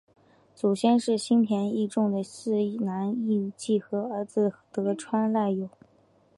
祖先是新田义重的四男义季和儿子得川赖有。